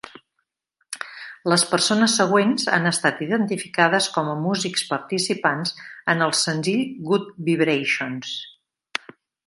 Les persones següents han estat identificades com a músics participants en el senzill "Good Vibrations".